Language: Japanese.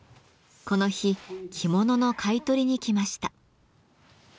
この日着物の買い取りに来ました。